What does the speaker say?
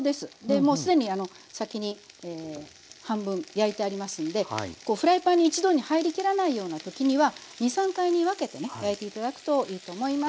もうすでに先に半分焼いてありますんでこうフライパンに一度に入りきらないような時には２３回に分けてね焼いて頂くといいと思います。